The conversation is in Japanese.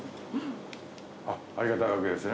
ありがたいわけですよね。